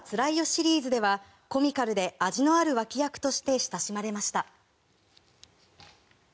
シリーズではコミカルで味のある脇役として親しまれました。